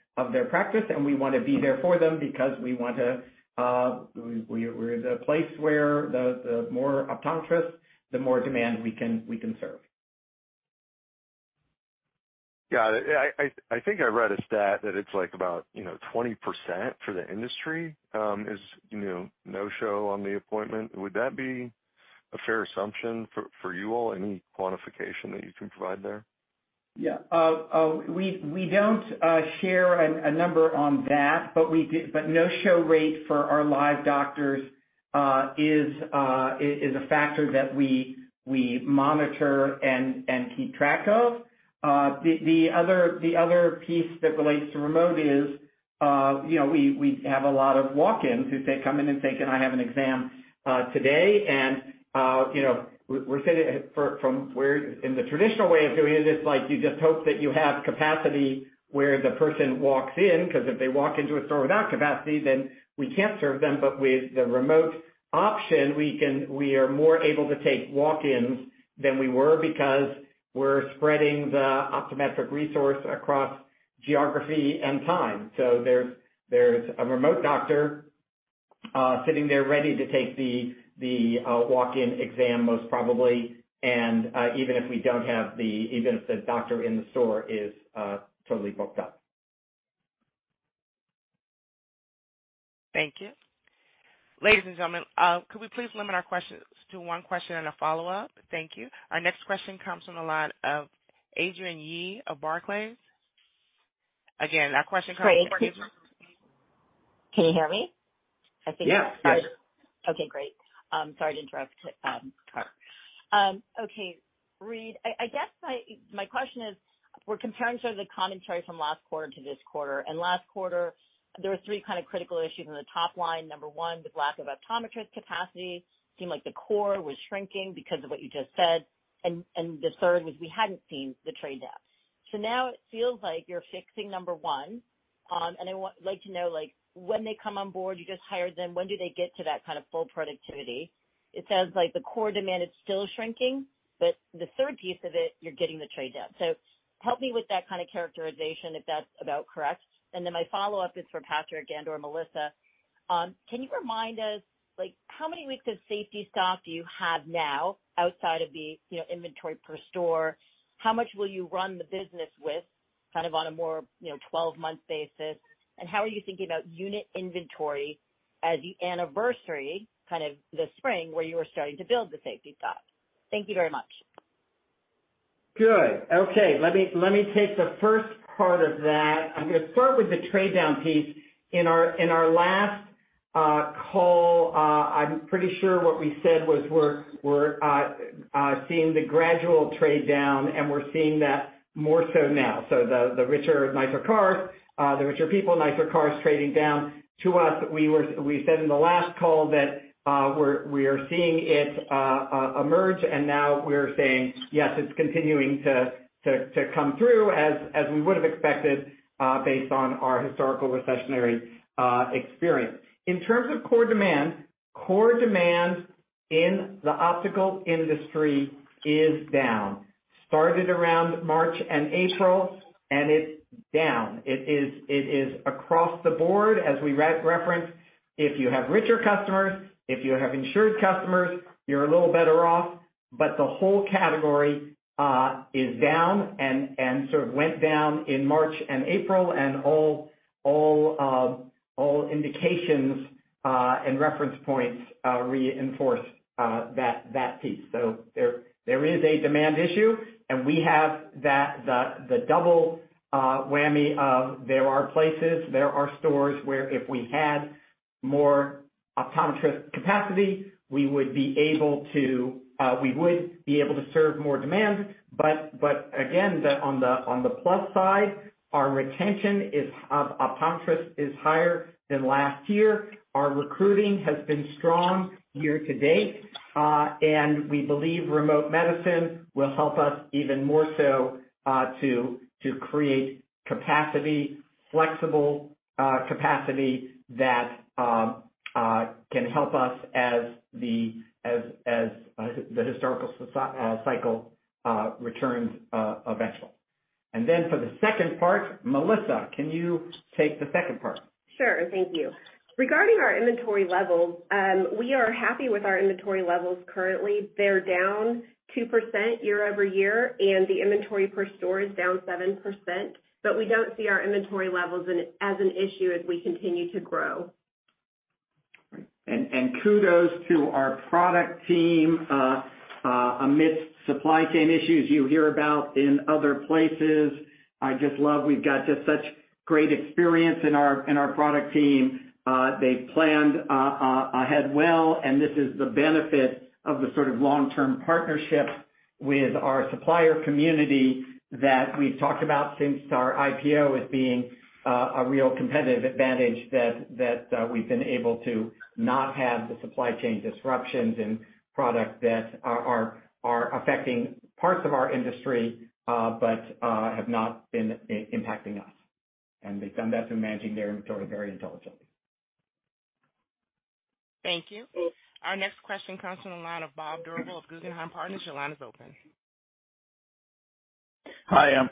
practice. We wanna be there for them because we want to, we're the place where the more optometrists, the more demand we can serve. Yeah. I think I read a stat that it's, like, about, you know, 20% for the industry, is, you know, no-show on the appointment. Would that be a fair assumption for you all? Any quantification that you can provide there? We don't share a number on that, but no-show rate for our live doctors is a factor that we monitor and keep track of. The other piece that relates to remote is, you know, we have a lot of walk-ins who come in and say, "Can I have an exam today?" You know, from where in the traditional way of doing it's like you just hope that you have capacity when the person walks in, because if they walk into a store without capacity, then we can't serve them. With the remote option, we are more able to take walk-ins than we were because we're spreading the optometric resource across geography and time. There's a remote doctor sitting there ready to take the walk-in exam, most probably. Even if the doctor in the store is totally booked up. Thank you. Ladies and gentlemen, could we please limit our questions to one question and a follow-up? Thank you. Our next question comes from the line of Adrienne Yih of Barclays. Again, our question comes from Adrienne Yih. Can you hear me? Yes. Yes. Okay, great. Sorry to interrupt, Carter. Okay, Reade. I guess my question is, we're comparing sort of the commentary from last quarter to this quarter. Last quarter, there were three kind of critical issues on the top line. Number one, the lack of optometrist capacity seemed like the core was shrinking because of what you just said. The third was we hadn't seen the trade down. Now it feels like you're fixing number one. I want like to know, like when they come on board, you just hired them, when do they get to that kind of full productivity? It sounds like the core demand is still shrinking, but the third piece of it, you're getting the trade down. Help me with that kind of characterization, if that's about correct. My follow-up is for Patrick and/or Melissa. Can you remind us, like how many weeks of safety stock do you have now outside of the, you know, inventory per store? How much will you run the business with kind of on a more, you know, 12-month basis? How are you thinking about unit inventory as the anniversary kind of the spring where you were starting to build the safety stock? Thank you very much. Let me take the first part of that. I'm gonna start with the trade down piece. In our last call, I'm pretty sure what we said was we're seeing the gradual trade down, and we're seeing that more so now. The richer, nicer cars, the richer people, nicer cars trading down to us. We said in the last call that we are seeing it emerge, and now we're saying yes, it's continuing to come through as we would've expected based on our historical recessionary experience. In terms of core demand, core demand in the optical industry is down. Started around March and April, and it's down. It is across the board, as we referenced. If you have richer customers, if you have insured customers, you're a little better off. The whole category is down and sort of went down in March and April and all indications and reference points reinforce that piece. There is a demand issue, and we have the double whammy of there are places, stores, where if we had more optometrist capacity, we would be able to serve more demand. Again, on the plus side, our retention of optometrists is higher than last year. Our recruiting has been strong year to date, and we believe remote medicine will help us even more so, to create capacity, flexible capacity that can help us as the historical cycle returns eventually. For the second part, Melissa, can you take the second part? Sure. Thank you. Regarding our inventory levels, we are happy with our inventory levels currently. They're down 2% year-over-year, and the inventory per store is down 7%. We don't see our inventory levels as an issue as we continue to grow. Kudos to our product team amidst supply chain issues you hear about in other places. I just love we've got just such great experience in our product team. They planned ahead well, and this is the benefit of the sort of long-term partnership with our supplier community that we've talked about since our IPO as being a real competitive advantage that we've been able to not have the supply chain disruptions and product that are affecting parts of our industry, but have not been impacting us. They've done that through managing their inventory very intelligently. Thank you. Our next question comes from the line of Bob Drbul of Guggenheim Partners. Your line is open. Hi.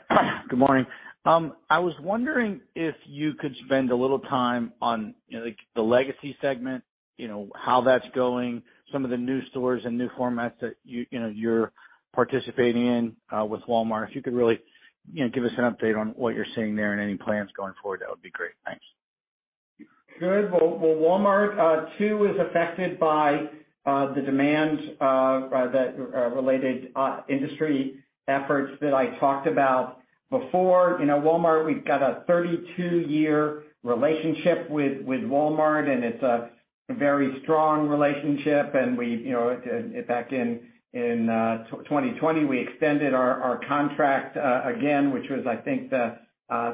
Good morning. I was wondering if you could spend a little time on, you know, like the legacy segment, you know, how that's going, some of the new stores and new formats that you know you're participating in, with Walmart. If you could really, you know, give us an update on what you're seeing there and any plans going forward, that would be great. Thanks. Good. Well, Walmart too is affected by the demands of the related industry efforts that I talked about before. You know, Walmart, we've got a 32-year relationship with Walmart, and it's a very strong relationship. We you know back in 2020 we extended our contract again, which was, I think, the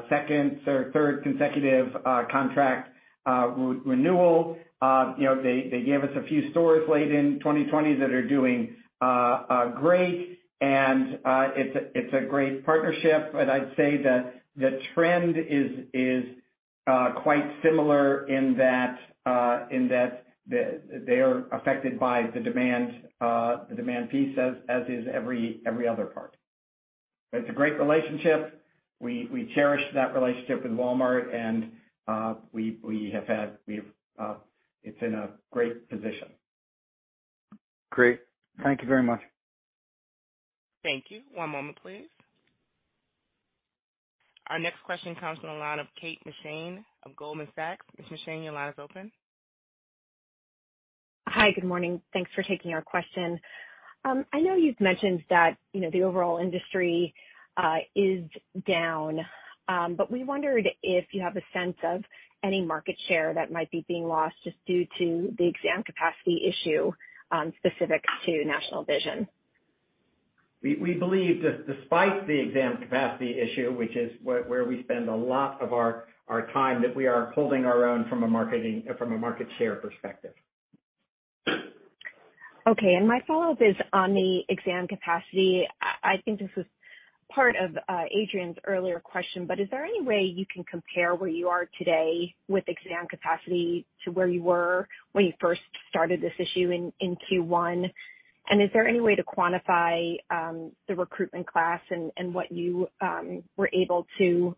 second or third consecutive contract renewal. You know, they gave us a few stores late in 2020 that are doing great. It's a great partnership. I'd say the trend is quite similar in that they are affected by the demand piece as is every other part. It's a great relationship. We cherish that relationship with Walmart, and it's in a great position. Great. Thank you very much. Thank you. One moment please. Our next question comes from the line of Kate McShane of Goldman Sachs. Ms. McShane, your line is open. Hi, good morning. Thanks for taking our question. I know you've mentioned that, you know, the overall industry is down. We wondered if you have a sense of any market share that might be being lost just due to the exam capacity issue, specific to National Vision? We believe despite the exam capacity issue, which is where we spend a lot of our time, that we are holding our own from a market share perspective. Okay. My follow-up is on the exam capacity. I think this was part of Adrienne's earlier question, but is there any way you can compare where you are today with exam capacity to where you were when you first started this issue in Q1? Is there any way to quantify the recruitment class and what you were able to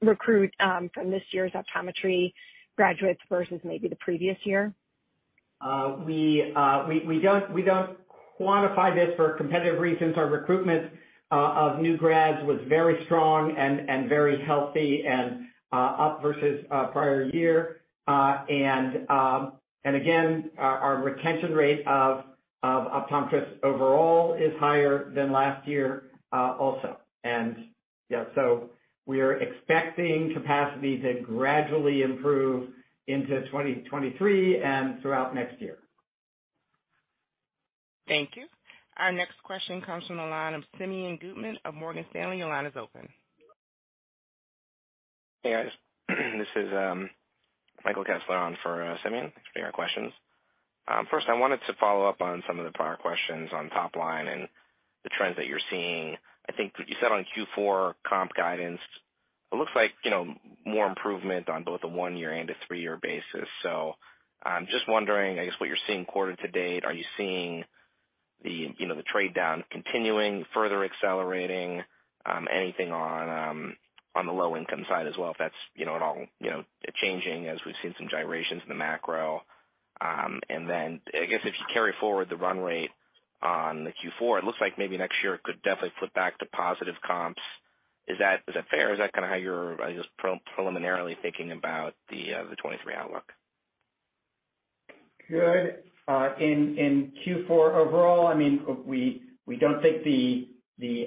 recruit from this year's optometry graduates versus maybe the previous year? We don't quantify this for competitive reasons. Our recruitment of new grads was very strong and very healthy and up versus prior year. Again, our retention rate of optometrists overall is higher than last year, also. Yeah, so we are expecting capacity to gradually improve into 2023 and throughout next year. Thank you. Our next question comes from the line of Simeon Gutman of Morgan Stanley. Your line is open. Hey, guys. This is Michael Kessler on for Simeon. Thanks for taking our questions. First, I wanted to follow up on some of the prior questions on top line and the trends that you're seeing. I think what you said on Q4 comp guidance, it looks like, you know, more improvement on both a one-year and a three-year basis. So I'm just wondering, I guess, what you're seeing quarter to date. Are you seeing the, you know, the trade down continuing, further accelerating, anything on the low-income side as well, if that's, you know, at all, you know, changing as we've seen some gyrations in the macro? And then I guess if you carry forward the run rate on the Q4, it looks like maybe next year it could definitely flip back to positive comps. Is that fair? Is that kinda how you're, I guess, preliminarily thinking about the 2023 outlook? Good. In Q4 overall, I mean, we don't think the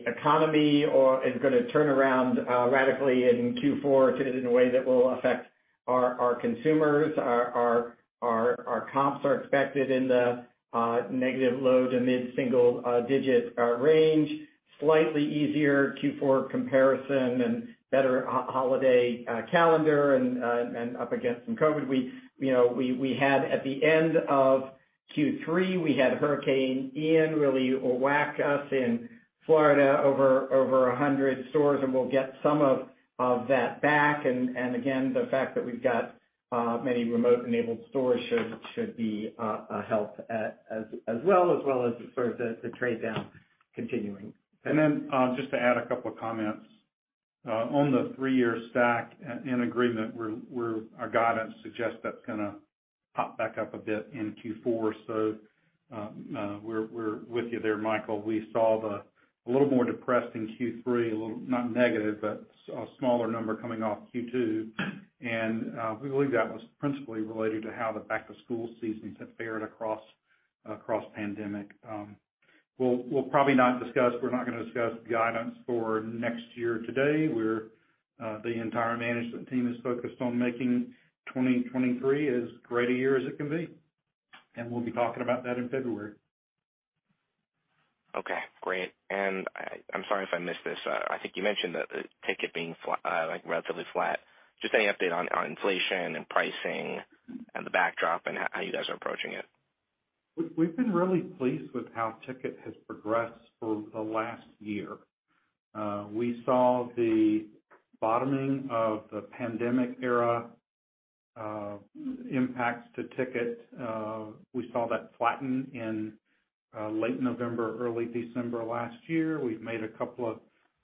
economy is gonna turn around radically in Q4 in a way that will affect our consumers. Our comps are expected in the negative low- to mid-single-digit range, slightly easier Q4 comparison and better holiday calendar and up against some COVID. You know, we had at the end of Q3, Hurricane Ian really whack us in Florida over 100 stores, and we'll get some of that back. Again, the fact that we've got many remote-enabled stores should be a help, as well as sort of the trade down continuing. Just to add a couple comments. On the three-year stack in agreement, our guidance suggests that's gonna pop back up a bit in Q4. We're with you there, Michael. We saw the a little more depressed in Q3, a little not negative, but a smaller number coming off Q2. We believe that was principally related to how the back-to-school seasons had fared across pandemic. We'll probably not discuss guidance for next year today. We're not gonna discuss guidance for next year today. The entire management team is focused on making 2023 as great a year as it can be, and we'll be talking about that in February. Okay, great. I'm sorry if I missed this. I think you mentioned that the ticket being flat, like relatively flat. Just any update on inflation and pricing and the backdrop and how you guys are approaching it? We've been really pleased with how ticket has progressed for the last year. We saw the bottoming of the pandemic-era impacts to ticket. We saw that flatten in late November, early December last year. We've made a couple of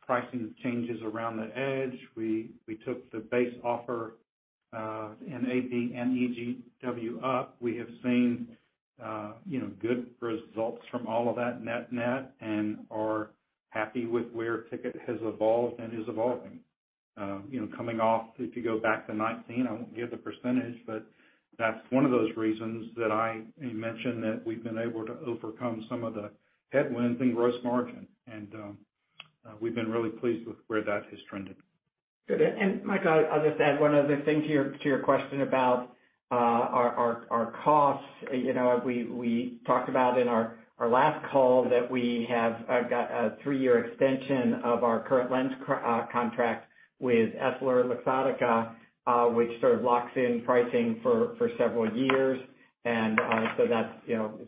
pricing changes around the edge. We took the base offer in AB and EGW up. We have seen you know, good results from all of that net net and are happy with where ticket has evolved and is evolving. You know, coming off, if you go back to 2019, I won't give the percentage, but that's one of those reasons that I mentioned that we've been able to overcome some of the headwinds in gross margin. We've been really pleased with where that has trended. Good. Mike, I'll just add one other thing to your question about our costs. We talked about in our last call that we have got a three-year extension of our current lens contract with EssilorLuxottica, which sort of locks in pricing for several years. That's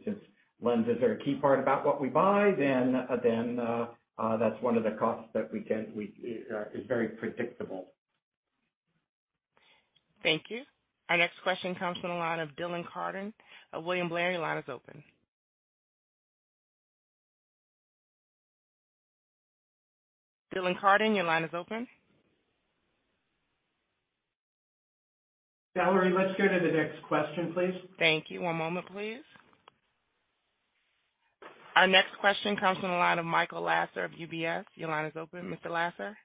since lenses are a key part of what we buy, then that's one of the costs that is very predictable. Thank you. Our next question comes from the line of Dylan Carden of William Blair. Your line is open. Dylan Carden, your line is open. Valerie, let's go to the next question, please. Thank you. One moment, please. Our next question comes from the line of Michael Lasser of UBS. Your line is open, Mr. Lasser.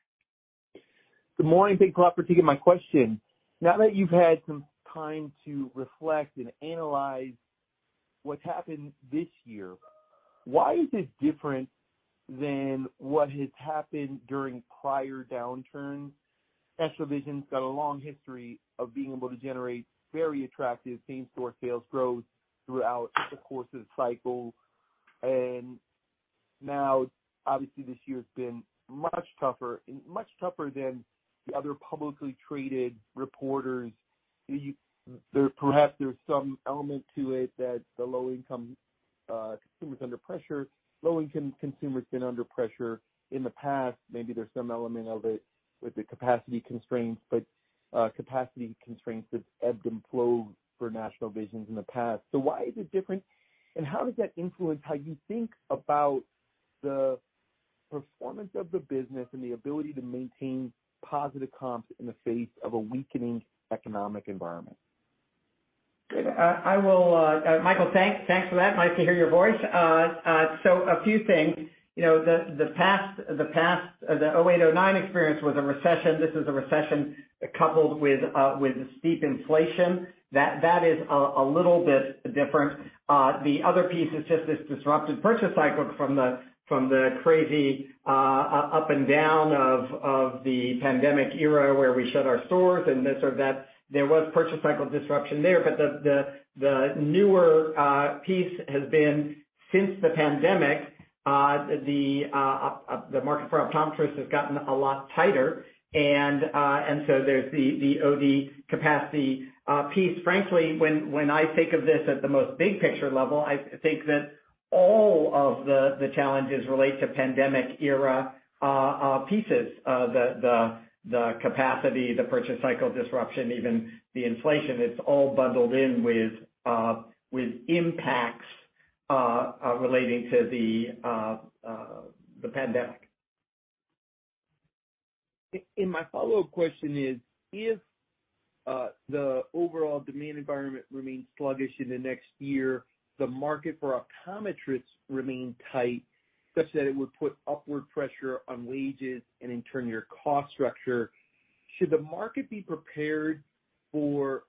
Good morning. Thanks a lot for taking my question. Now that you've had some time to reflect and analyze what's happened this year, why is it different than what has happened during prior downturns? National Vision's got a long history of being able to generate very attractive same-store sales growth throughout the course of the cycle, and now obviously this year's been much tougher and much tougher than the other publicly traded retailers. Perhaps there's some element to it that low-income consumers been under pressure in the past. Maybe there's some element of it with the capacity constraints, but capacity constraints have ebbed and flowed for National Vision in the past. Why is it different? How does that influence how you think about the performance of the business and the ability to maintain positive comps in the face of a weakening economic environment? I will, Michael, thanks for that. Nice to hear your voice. A few things. The past 2008, 2009 experience was a recession. This is a recession coupled with steep inflation. That is a little bit different. The other piece is just this disrupted purchase cycle from the crazy up and down of the pandemic era where we shut our stores and this or that. There was purchase cycle disruption there. The newer piece has been since the pandemic the market for optometrists has gotten a lot tighter and so there's the OD capacity piece. Frankly, when I think of this at the most big picture level, I think that all of the challenges relate to pandemic era pieces. The capacity, the purchase cycle disruption, even the inflation. It's all bundled in with impacts relating to the pandemic. My follow-up question is, if the overall demand environment remains sluggish in the next year, the market for optometrists remain tight, such that it would put upward pressure on wages and in turn your cost structure. Should the market be prepared for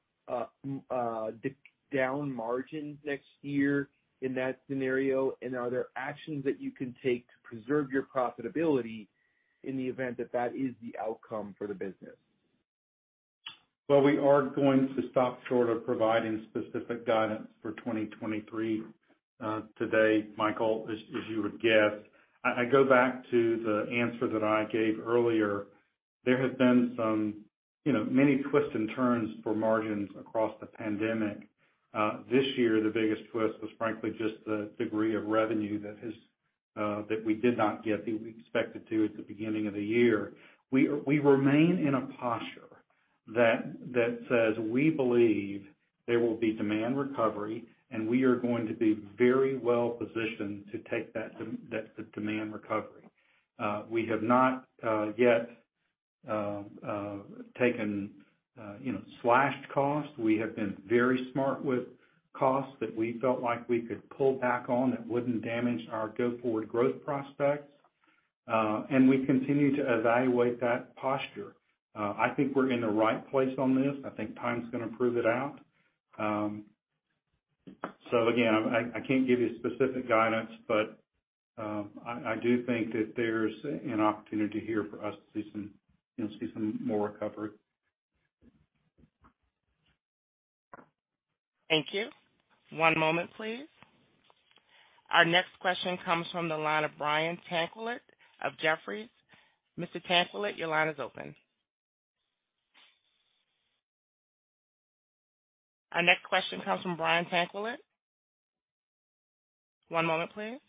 down margins next year in that scenario? Are there actions that you can take to preserve your profitability in the event that that is the outcome for the business? Well, we are going to stop short of providing specific guidance for 2023 today, Michael, as you would guess. I go back to the answer that I gave earlier. There has been some, you know, many twists and turns for margins across the pandemic. This year, the biggest twist was frankly just the degree of revenue that we did not get that we expected to at the beginning of the year. We remain in a posture that says we believe there will be demand recovery, and we are going to be very well positioned to take that demand recovery. We have not yet taken, you know, slashed costs. We have been very smart with costs that we felt like we could pull back on that wouldn't damage our go-forward growth prospects. We continue to evaluate that posture. I think we're in the right place on this. I think time's gonna prove it out. Again, I can't give you specific guidance, but I do think that there's an opportunity here for us to see some, you know, see some more recovery. Thank you. One moment, please. Our next question comes from the line of Brian Tanquilut of Jefferies. Mr. Tanquilut, your line is open. Our next question comes from Brian Tanquilut. One moment, please.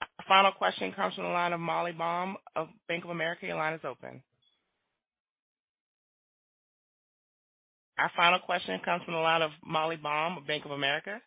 Our final question comes from the line of Molly Baum of Bank of America. Your line is open. Our final question comes from the line of Molly Baum of Bank of America.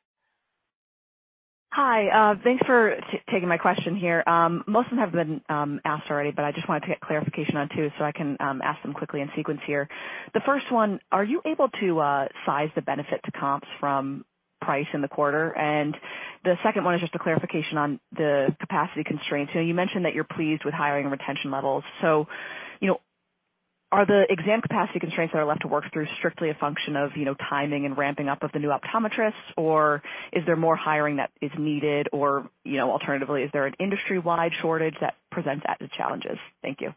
Hi. Thanks for taking my question here. Most of them have been asked already, but I just wanted to get clarification on two so I can ask them quickly in sequence here. The first one, are you able to size the benefit to comps from price in the quarter? And the second one is just a clarification on the capacity constraints. You know, you mentioned that you're pleased with hiring retention levels. So, you know, are the exam capacity constraints that are left to work through strictly a function of, you know, timing and ramping up of the new optometrists? Or is there more hiring that is needed? Or, you know, alternatively, is there an industry-wide shortage that presents added challenges? Thank you.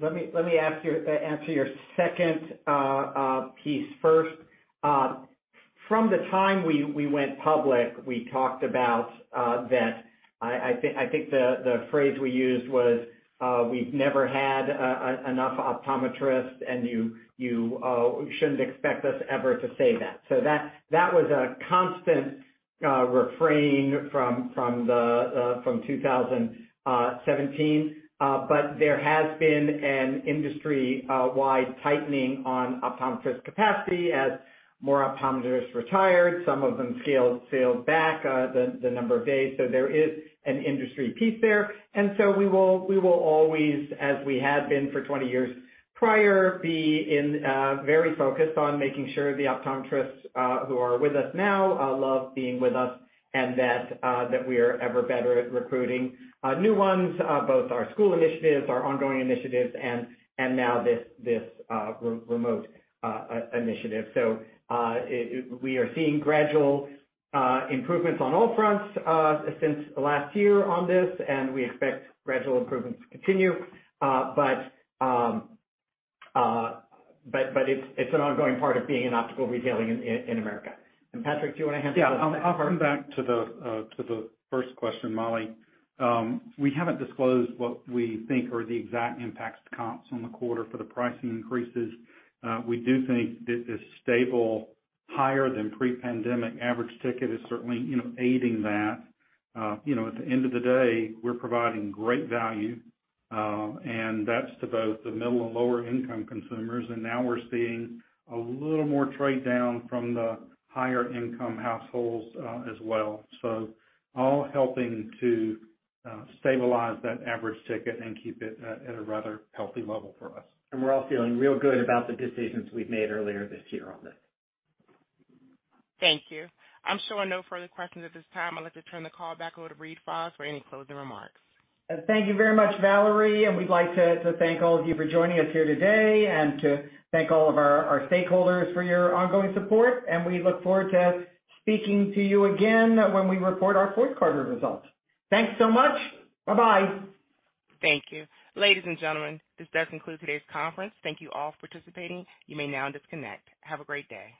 Let me answer your second piece first. From the time we went public, we talked about that. I think the phrase we used was, we've never had enough optometrists, and you shouldn't expect us ever to say that. That was a constant refrain from 2017. There has been an industry-wide tightening on optometrist capacity as more optometrists retired. Some of them scaled back the number of days. There is an industry piece there. We will always, as we had been for 20 years prior, be very focused on making sure the optometrists who are with us now love being with us and that we are ever better at recruiting new ones, both our school initiatives, our ongoing initiatives, and now this remote initiative. We are seeing gradual improvements on all fronts since last year on this, and we expect gradual improvements to continue. It's an ongoing part of being in optical retailing in America. Patrick, do you wanna add to that? Yeah. I'll come back to the first question, Molly. We haven't disclosed what we think are the exact impacts to comps on the quarter for the pricing increases. We do think this stable higher than pre-pandemic average ticket is certainly, you know, aiding that. You know, at the end of the day, we're providing great value, and that's to both the middle and lower income consumers, and now we're seeing a little more trade down from the higher income households, as well. All helping to stabilize that average ticket and keep it at a rather healthy level for us. We're all feeling real good about the decisions we've made earlier this year on this. Thank you. I'm showing no further questions at this time. I'd like to turn the call back over to Reade Fahs for any closing remarks. Thank you very much, Valerie, and we'd like to thank all of you for joining us here today and to thank all of our stakeholders for your ongoing support, and we look forward to speaking to you again when we report our fourth quarter results. Thanks so much. Bye-bye. Thank you. Ladies and gentlemen, this does conclude today's conference. Thank you all for participating. You may now disconnect. Have a great day.